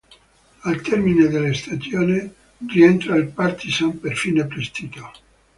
Al termine della stagione rientra al Partizan per fine prestito.